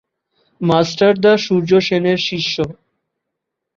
Master দা সূর্য সেনের শিষ্য।